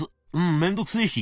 面倒くせえし」。